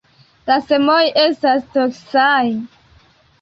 La semoj estas toksaj.